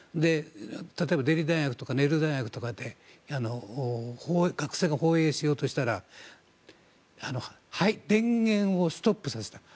例えば、デリー大学とかで学生が放映しようとしたら電源をストップさせた。